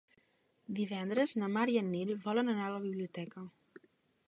Divendres na Mar i en Nil volen anar a la biblioteca.